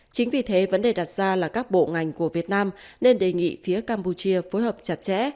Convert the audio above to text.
chính vì thế vấn đề đặt ra là các bộ ngành của việt nam nên đề nghị phía campuchia phối hợp chặt chẽ